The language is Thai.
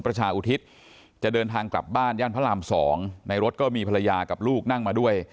ประชาอุทิศจะเดินทางกลับบ้านย่านพระราม๒ในรถก็มีภรรยากับลูกนั่งมาด้วย